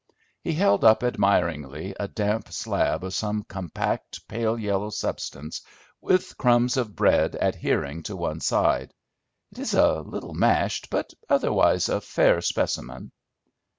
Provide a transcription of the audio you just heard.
He held up admiringly a damp slab of some compact pale yellow substance, with crumbs of bread adhering to one side. "It is a little mashed, but otherwise a fair specimen."